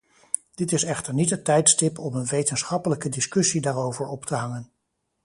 Dit is echter niet het tijdstip om een wetenschappelijke discussie daarover op te hangen.